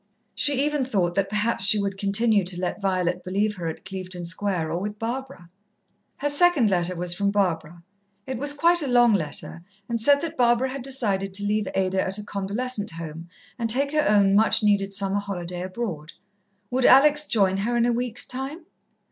She even thought that perhaps she would continue to let Violet believe her at Clevedon Square or with Barbara. Her second letter was from Barbara. It was quite a long letter, and said that Barbara had decided to leave Ada at a convalescent home and take her own much needed summer holiday abroad. Would Alex join her in a week's time?